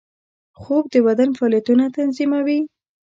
خوب د بدن فعالیتونه تنظیموي